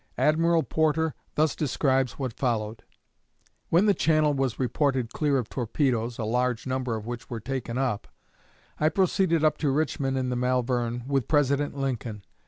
Admiral Porter thus describes what followed: "When the channel was reported clear of torpedoes (a large number of which were taken up), I proceeded up to Richmond in the 'Malvern,' with President Lincoln.